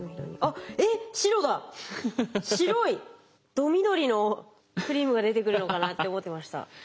ど緑のクリームが出てくるのかなって思ってました。